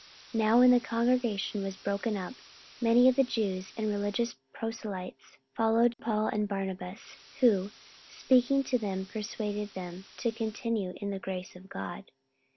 44:013:043 Now when the congregation was broken up, many of the Jews and religious proselytes followed Paul and Barnabas: who, speaking to them, persuaded them to continue in the grace of God.